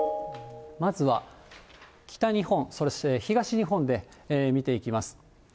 まずは北日本、そして東日本で見ていきます。